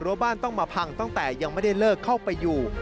บ้านต้องมาพังตั้งแต่ยังไม่ได้เลิกเข้าไปอยู่